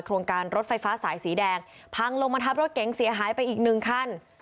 โครงการรถไฟฟ้าสายสีแดงพังลงมาทับรถเก๋งเสียหายไปอีกหนึ่งคัน